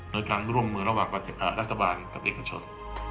โดยการร่วมมือระหว่างรัฐบาลกับเอกชน